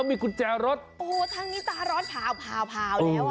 ใช่คุณโอ้โฮทางนี้ตาร้อนเผาแล้วอ่ะ